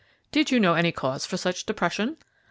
"Did you know any cause for such depression?"